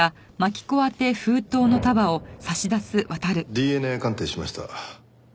ＤＮＡ鑑定しました。